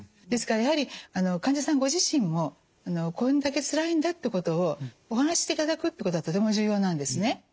ですからやはり患者さんご自身もこれだけつらいんだってことをお話ししていただくということがとても重要なんですね。